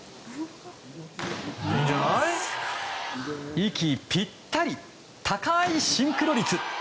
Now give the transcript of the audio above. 息ぴったり、高いシンクロ率。